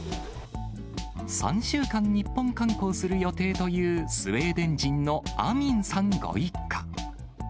３週間、日本観光する予定というスウェーデン人のアミンさんご一家。